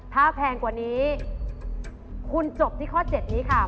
ถ้าแพงกว่านี้คุณจบที่ข้อ๗นี้ค่ะ